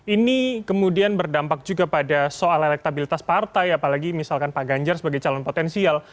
ini kemudian berdampak juga pada soal elektabilitas partai apalagi misalkan pak ganjar sebagai calon potensial